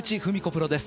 プロです。